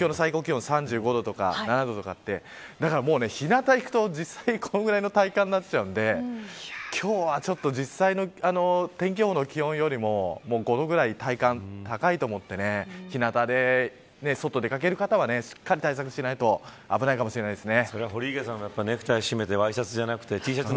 東京の最高気温３５度とか３７度とかってだから日なたに行くとこのぐらいの体感になっちゃうんで今日は実際の天気予報の気温よりも５度ぐらい体感は高いと思って日なたで、外に出掛ける方はしっかり対策しないと危ないかもしれませんね。